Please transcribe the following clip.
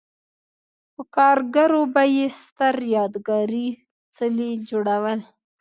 په کارګرو به یې ستر یادګاري څلي جوړول